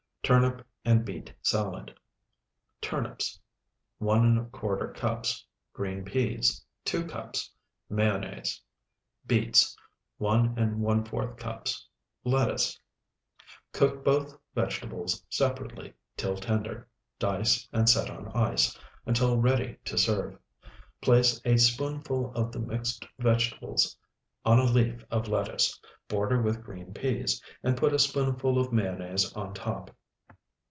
TURNIP AND BEET SALAD Turnips, 1¼ cups. Green peas, 2 cups. Mayonnaise. Beets, 1¼ cups. Lettuce. Cook both vegetables separately till tender; dice and set on ice, until ready to serve. Place a spoonful of the mixed vegetables on a leaf of lettuce, border with green peas, and put a spoonful of mayonnaise on top.